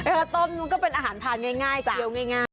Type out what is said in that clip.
ต้มมันก็เป็นอาหารทานง่ายเคี้ยวง่าย